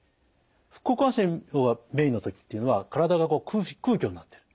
副交感神経の方がメインの時っていうのは体が空虚になってる。